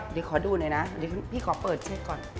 เดี๋ยวขอดูหน่อยนะพี่พี่ขอเริ่มเช็คก่อน